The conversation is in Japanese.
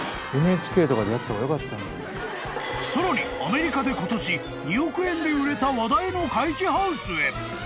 ［さらにアメリカで今年２億円で売れた話題の怪奇ハウスへ］